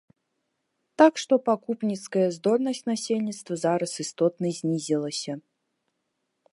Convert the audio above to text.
Так што пакупніцкая здольнасць насельніцтва зараз істотна знізілася.